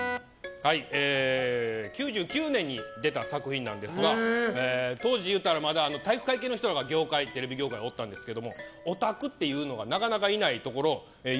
９９年に出た作品なんですが当時でいったらまだ体育会系の方がテレビ業界におったんですがオタクっていうのがなかなかいないところよ